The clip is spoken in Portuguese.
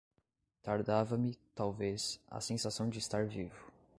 Tardava-me, talvez, a sensação de estar vivo.